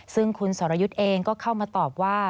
ซึ่งคุณสรยุทธ์เองก็เข้ามาตอบว่า